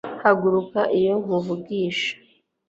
Haguruka iyo nkuvugisha